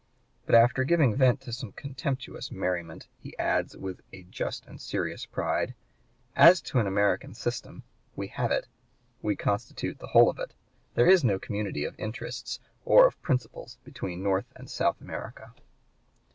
But after giving vent to some contemptuous merriment he adds, with a just and serious pride: "As to an American system, we have it; we constitute the whole of it; there is no community of interests or of principles between North and South America."